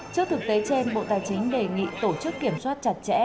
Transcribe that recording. trước thực tế trên bộ tài chính đề nghị tổ chức kiểm soát chặt chẽ